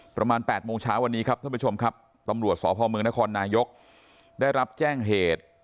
ประมาณ๘โมงเช้าวันนี้ครับท่านผู้ชมครับตำรวจสพเมืองนครนายกได้รับแจ้งเหตุ